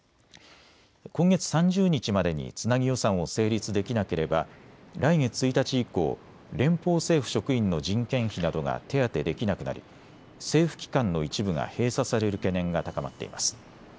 今月３０日までにつなぎ予算を成立できなければ来月１日以降、連邦政府職員の人件費などが手当てできなくなり政府機関の一部が閉鎖される懸念が高まっています。